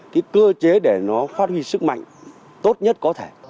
cái cơ chế để nó phát huy sức mạnh tốt nhất có thể